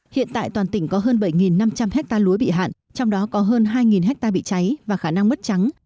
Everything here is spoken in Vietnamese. hiện tại toàn tỉnh có hơn bảy năm trăm linh hectare lúa bị hạn trong đó có hơn hai hectare bị cháy và khả năng mất trắng